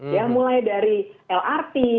ya mulai dari lrt